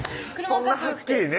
そんなはっきりね